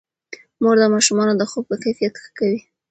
مور د ماشومانو د خوب کیفیت ښه کوي.